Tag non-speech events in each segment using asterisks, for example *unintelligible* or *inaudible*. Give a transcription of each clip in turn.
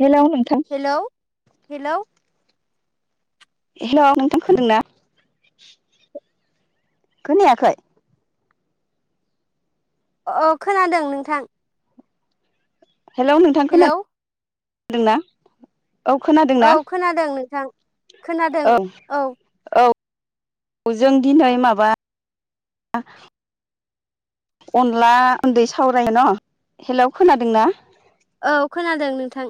हेल नोंथां hello hello हेल नोंथां खोनादों ना खोनायाखै अ खोनादों नोंथां हेलौ नोंथां खोना हेलौ दोंना औ खोनादों नो थां खोनादों औ औ जों दिनै माबा अनला दै सावराय न' हेलौ खोनादोंना औ खोनादों नोंथां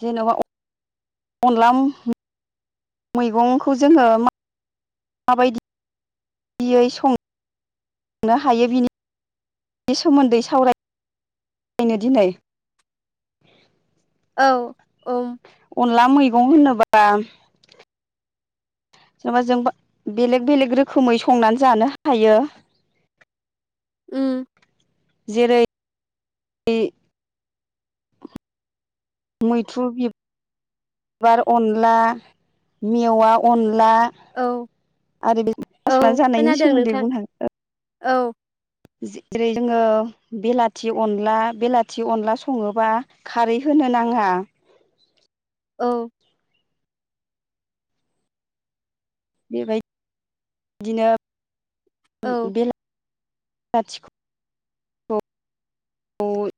जेनेबा अन अनला मैगंखौ जोङो मा माबायदियै सं नो हायो बिनि सोमोन्दै सावराय नो दिनै औ ओम अनला मैगं होनोबा जोनबा जोनबा बेलेग बेलेग रोखोमै संनानै जानो हायो ओम जेरै ऐ मैथ्रु बि बार अनला मेवा अन औ औ खोनादों नोंथां *unintelligible* औ जेरै जोङो बेलाथि अनला बेलाथि अनला सङोबा खारै होनो नाङा औ बेबाय दिनो औ *unintelligible* लाथिख' अइ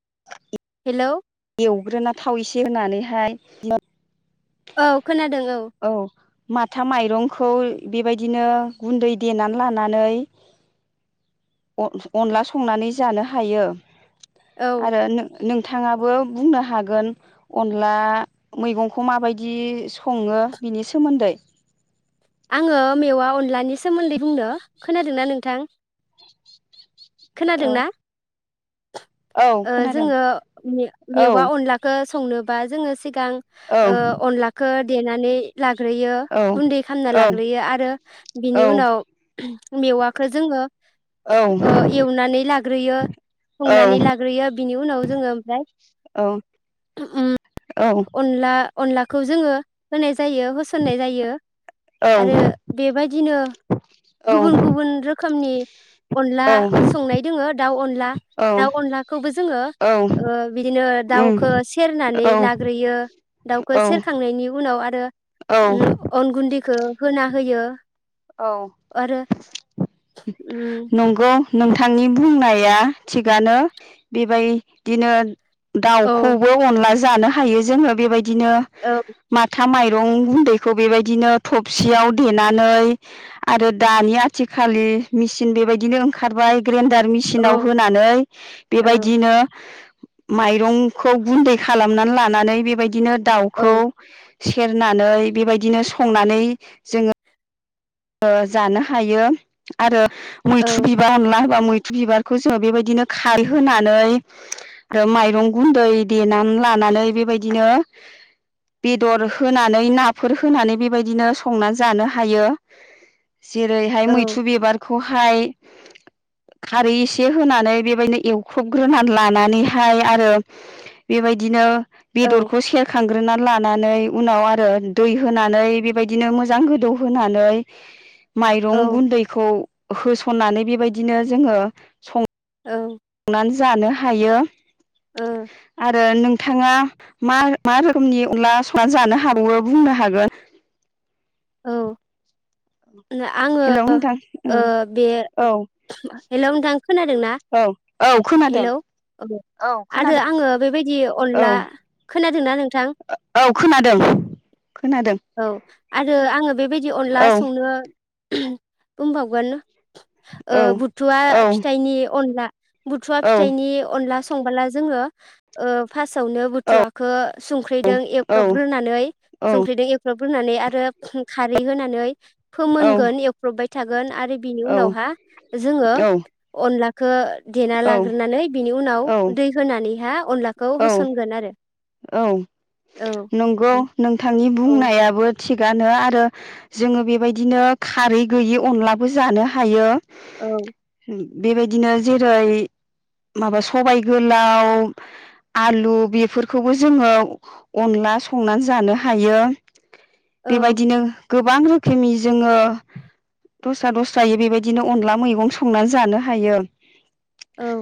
*inaudible* हेलौ एवग्रोना थाव इसे होनानैहाय औ खोनादों औ माथा माइरंखौ बेबायदिनो गुन्दै देनानै लानानै अन अनला संनानै जानो हायो औ आरो नो नोंथाङाबो बुंनो हागोन अनला मैगं खौ माबायदि सङो बिनि सोमोन्दै आङो मेवा अनलानि सोमोन्दै बुंनो खोनादोंना नोंथां औ खोनादोंना औ ओ खोनादों जोङो औ मे-मेवा अनलाखो संनोबा जोङो सि सिगां ओ औ अनलाखो देनानै लाग्रोयो औ गुन्दै खामना लाग्रोयो आरो बिनि उनाव मेवाखो जोङो ओ एवनानै लाग्रोयो संनानै लाग्रयो बिनि उनाव जोङो ओमफ्राय ओम औ अनला दा अनलाखौ जोङो होनाय ज जायो होसननाय जायो आरो औ बेबायदिनो गुबुन गुबुन रोखोमनि अनला संनाय दोङो दाउ अनला औ दाउ अनलाखौबो जोङो औ ओ बिदिनो उम दाउखौ सेरनानै औ लाग्रोयो दाउखौ औ सेरखांनायनि उनाव आरो औ ओम अन गुन्दैखो होना होयो। औ आरो उम *inaudible* नंगौ नोंथांनि बुंनाया थिगानो बेबायदिनो औ दाउखौबो अनला जानो हायो जोङो बेबाय दिनो औ माथा माइ रं गुन्दैखौ बेबायदिनो थबसियाव देनानै आरो दानि आथिखालि मेसिन बेबायदिनो ओंखारबाय। ग्रेन्डार औ मेसिनाव होनानै बेबायदिनो माइरंखौ गुन्दै खालामनानै लानानै बेबायदिनो औ दाउखौ सेरनानै बेबायदिनो संनानै जोङो ओ जानो हायो आरो औ मैथ्रु बिबार अनला होबा मै बिबारखौ जोङो बेबायदिनो खारै होनानै आरो माइरं गुन्दै देनानै लानानै बेबायदिनो बेदर होनानै नाफोर होनानै बेबायदिनो संना जानो हायो। जेरैहाय औ मैथ्रु बिबारखौ खौहाय खारै एसे होनानै बेबायदिनो एवख्रबग्रोनानै लानानैहाय आरो बेबायदिनो औ बेदरखौ सेरखां संग्रोना लानानै उनाव आरो दै होनानै बेबायदिनो मोजां गोदौहोनानै *inaudible* माइरं गुन्दैखौ होसननानै बेबायदिनो जोङो सं औ। नानै जानो हायो। औ आरो नों थाङा मा मा रोखोमनि अनला संना जानो हाबावो बुंनो हागोन औ आङो हेलौ नोंथां ओ बे औ हेल' नोंथां खोनादोंना औ औ खोनादों हेलौ औ आरो आङो बेबायदि औ अनला खोनादोंना नोंथां औ खोनादों खोनादों औ आरो आङो बेबायदि अनला औ संनो बुंबावगोन ओ औ बुथुवा औ फिथाइनि अनला बुथुवा फिथाइनि अनला संबोला जोङो ओ फासआवनो औ बुथुवखौ संख्रेदों औ एख्रबग्रोनानै संख्रेदों एख्रब रुनानै आर रो खारै होनानै फोमोनगोन एफबबाय थागोन आरो बिनि औ उनावहा जोङो औ अनला खो देना औ लाग्रोनानै बिनि उनाव औ दै होनानैहा अनला खौ औ होसनगोन आरो औ औ नंगौ नोंथांनि औ बुंनायाबो थिगानो आरो जोङो बेबायदिनो खारै गैयि अनलाबो जानो हायो औ बेबायदिनो जेरै माबा सबाइ गोलाव आलु बेफोर खौबो जोङो अनला संनानै जानो हायो औ बेबायदिनो गोबां रोखोमनि जोङो दस्रा दस्रायै बेबायदिनो अनला मैगं संनानै जानो हायो औ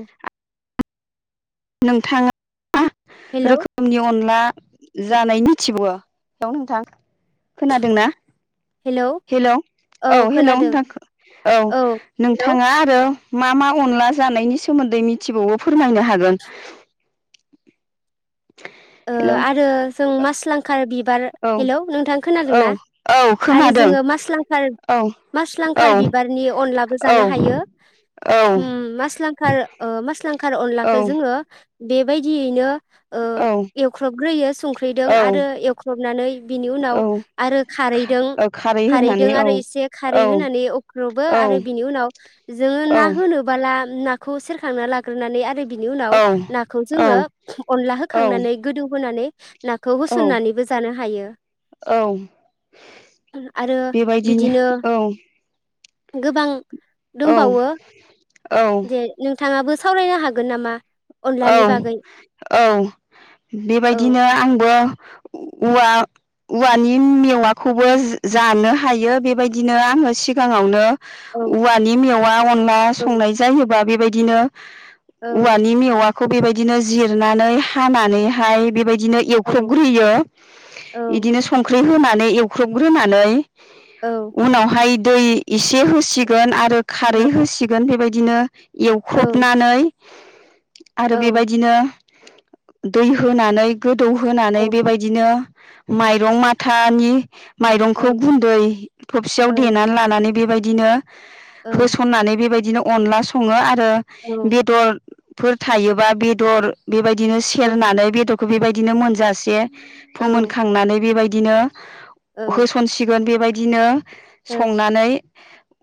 नोंथाङा मा हेलौ रोखोमनि अनला जानाय मिथिबावो? बेयाव नोंथां खोनादोंना? हेलौ औ हेलौ नोंथां औ नोंथाङा आरो मा मा अनला जानायनि सोमोन्दै मिथिबावो फोरमायनो हागोन ओ हेलौ आरो जों मासलांखार बि खार औ हेल्लो नोंथां औ खोनादोंना औ आरो खोनादों जोजोंङो मासलांखार औ मासलांखाल औ बिबारनि अनलाबो औ जानो हायो। औ होम मासलांखाल ओ मासलां खार अनलाखौ औ जोंङो बेबायदियैनो औ ख्रबग्रोयो संख्रिदों आरो एवख्रबनानै बिनि उनाव औ आरो खारैदों ओ खारै खारैदों होनानै औ आरो एसे खारै औ होनानै एवख्रबो औ आरो बिनि उनाव जोंङो ना औ होनोबाला आ नाखौ सेरखांना लाग्रोनानै आरो बिनि उनाव नाखौ औ जोंङो अनला औ होखांनानै होनानै नाखौ औ होसननानैबो जानो हायो, औ आरो बेबायदिनो बिदिनो औ गोबां औ दंबावो औ दे नों थांङाबो सावरायनो हागोन नामा? औ अनलानि बागै औ औ बेबायदिनो आंबो ओ उवा-उवानि मेवाखौबो ज-जानो हायो बेबायदिनो आआंङो सिगांङावनो औ उवानि मेव वा अन वा औ संनाय जायोबा बेबाय दिनो औ उवानि मेवा खौ बेबायदिनो जिरनानै हानानैहाय बेबाय इदिनो औ एवख्रबग्रोयो औ इदिनो संख्रि होना नै एवख्रुबग्रोनानै औ उनावहाय दै एसे होसिगोन आरो खारै होसिगोन बेबाय दिनो औ एवख्रबनानै आरो औ बेबायदिनो दै होनानै गोदौहोनानै बेबायदिनो माइरं माथानि औ माइरंखौ गुन्दै थबसेयाव देनानै लानानै बेबाय दिनो होसननानै बेबाय दिनो अनला सङो आ रो बेदर फोर थायोबा बेदर बेबायदिनो सेरनानै बेदर बेबायदिनो मोनजासे फोमोनखांनानै बेबाय दिनो होसनसिगोन बेबाय दिनो संनानै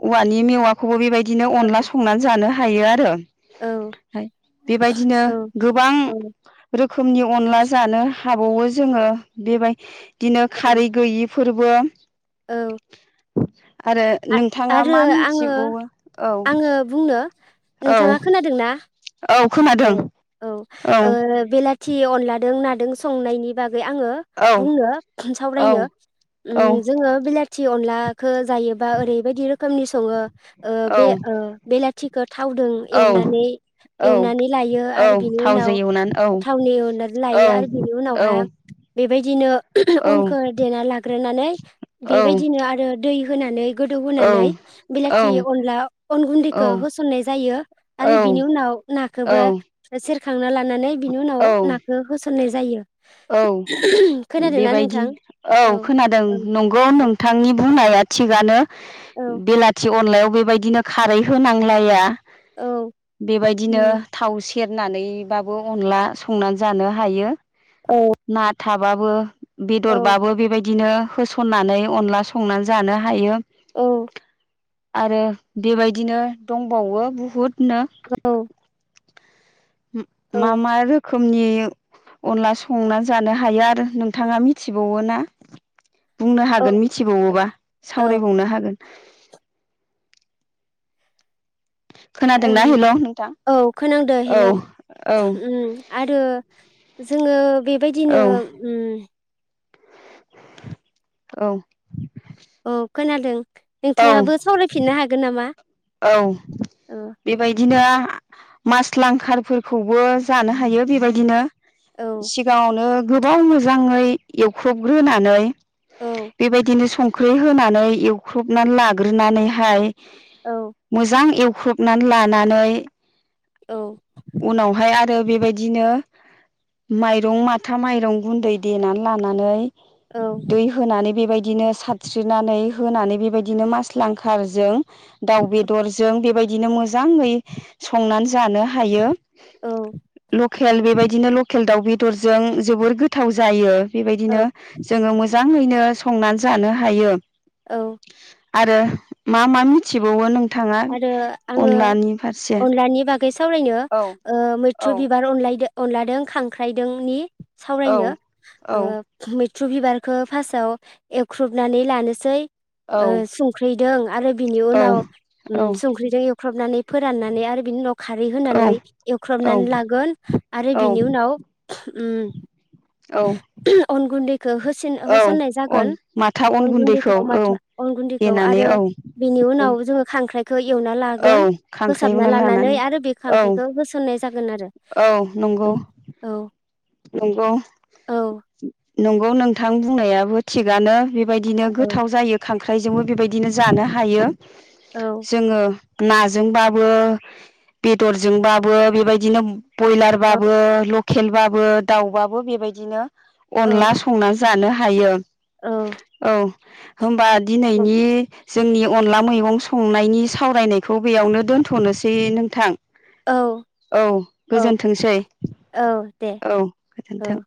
औवानि मेवाखौबो बेबाय दिनो अनला संनानै जानो हा थायो आरो औ। ओमफ्राय बेबायदिनो गोबां औ रोखोमनि अनला जानो हाबावो जोङो बेबाय दिनो खारै गैयि फोरबो औ। *inaudible* आरो आ- नोंथाङा आरो मा आङो मिथिबावो? औ आङो बुंनो औ नोंथाङा खोनादों ना? औ ओ खोनादों औ ओ बेलाथि अनलादों ना दों संनायनि बाग गै आङो औ बुंनो औ सावरायनो उम जोङो बेला थि अनला खो जायोबा ओरैबायदि रो खो खोमनि सोङो ओ बे औ ओ बेलाथि थावदों औ एवनानै औ एवनानै लायो औ आरो बिनि थावजों उनाव एवनानै औ थावनि औ ओनरलायो आरो बिनि औ उनावहा बेबायदिनो उम उम औ अनखौ देना लागो ग्रोननानै बेबायदिनो आरो दै होनानै गोदौ होनानै बिलाथि औ अनला अन गुन्दैखौ होसननाय जायो आरो बिनि उनाव ना औ *unintelligible* सोरखांना ला नानै बिनि उनाव औ नाखो होसननाय जा जायो। औ खोनादोंना बेबायदि नोंथां औ खोनादों औ नंगौ औ नोंथांनि बुंनाया थिगानो। औ बेलाथि अनलायाव बेबायदिनो खारै होनांलाया। औ बेबायदिनो उम थाव से सेरनानैबाबो अनला संनानै जानो हायो। औ ना थाबाबो। औ बेदरबाबो बेबायदि बिदिनो होसननानै अनला संनानै जानो हायो। औ आरो बेबायदिनो दंबावो बुहुद नो औ मा औ मा रो खोमनि अनला संना जानो हायो आरो नोंथाङा मिनथिबावोना? बुंनो हागोन मिथिबावोबा औ सावरायबावनो हागोन। खोनादोंना हेल' नोंथां औ खोनांदो औ हेलौ औ उम आरो जोङो औ बेबायदिनो उम। औ‌ औ खोनादों। नोंथाङाबो सावरायफिननो हागोन नामा? औ औ बेबायदिनो मास लांखारफोरखौबो जानो हायो बेबायदिनो औ सिगाङावनो गोबाव मोजाङै एवख्रबग्रोनानै औ बेबायदिनो सं ख्रि होनानै एवख्रबनानै लाग्रोनानै हाय औ मोजां एव ख्रबनानै लानानै औ उनावहाय आरो बेबायदिनो माइरं माथा माइरं गुन्दै देनानै लानानै औ दै होनानै बेबायदिनो सारस्रिनानै होनानै बेबायदिनो मास लांखारजों दाउ बे जों बेबायदिनो मोजाङै संनानै जानो हायो औ लकेल बेबायदिनो लकेल दाउ बे दरजों जोबोर गोथाव जायो बेबायदिनो जोङो मोजां मोजाङैनो संनानै जानो हायो औ आरो मा मा मिथिबावो नों थाङा आरो आङो अनलानि फारसे अनलानि बागै सावरायनो औ औ मैथ्रु बिबार अनलायदो अनलादों खांख्राइदोंनि औ सावरायनो ओ औ मै ट्रु बिबारखौ फार्स्टआव एवख्रुबनानै लानोसै औ संख्रैदों आरो बिनि उनाव औ औ उम संख्रिजों एव हुख्रबनानै फोराननानै आरो बिनि उनाव खारै होनानै एवख्रबनानै लागोन आरो औ बेनि उनाव उम औ अन गुन्दै खो होसन औ होसननाय अन जागोन माथा अन गुन्दैखौ औ माथो अन गुन्दैखौ देनानै आरो औ बिनि औ उनाव जोङो खो एवना औ लागोन फोसाबना खांख्राइखौनो लानानै आरो बे औ खांख्रायखौ होसननाय जागोन आरो औ। दंगआव औ *inaudible* नंगौ नोंथां बुंनायाबो थिगानो। बेबायदिनो औ गोथाव जायो खां ख्रायजोंबो बेबायदि बिदिनो जानो हायो औ जोङो। नाजोंबाबो बेदरजोंबाबो बेबायदिनो औ बयलारबाबो ल खेलबा दाउबाबो बेबायदिनो औ अनला संना जानो हायो। औ। *inaudible* होमबा दिनैनि जोंनि अनला मैगं संनायनि सावरायनायखौ बेयावनो दोनथनोसै नोंथां। औ औ औ गोजोनथोंसै। औ दे औ औ गोजोन्थों।